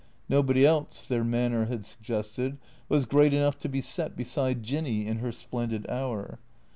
Nobody else, their manner had suggested, was great enough to be set beside Jinny in her splendid hour.